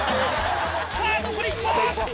さぁ残り１本！